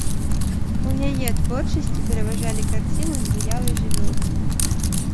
У яе творчасці пераважалі карціны з выявай жывёл.